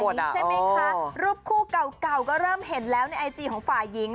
ดูสดสายใช่มั้ยคะรูปคู่เก่าก็เริ่มเห็นแล้วในไอจีของฝ่ายิง